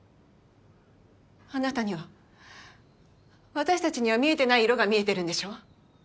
あなたには私たちには見えてない色が見えてるんでしょ？